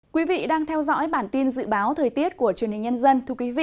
quý vị đang theo dõi bản tin dự báo thời tiết của truyền hình nhân dân